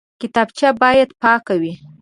کتابچه باید پاکه وي